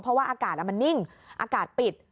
เพราะว่าอากาศมันนิ่งอากาศปิด